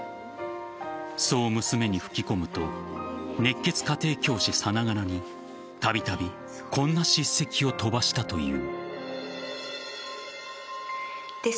そう娘に吹き込むと熱血家庭教師さながらにたびたびこんな叱責を飛ばしたという。